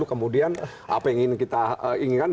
kemudian apa yang ingin kita inginkan